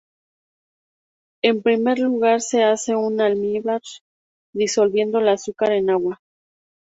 En primer lugar, se hace un almíbar disolviendo el azúcar en agua.